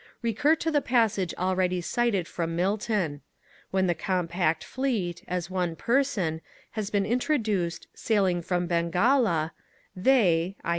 Recur to the passage already cited from Milton. When the compact Fleet, as one Person, has been introduced 'sailing from Bengala,' 'They,' i.